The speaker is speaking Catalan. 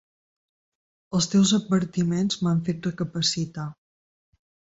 Els teus advertiments m'han fet recapacitar.